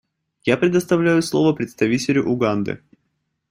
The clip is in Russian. Я предоставляю слово представителю Уганды.